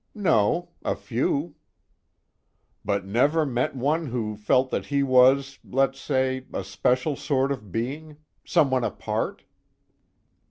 "No. A few." "But never met one who felt that he was, let's say, a special sort of being? Someone apart?"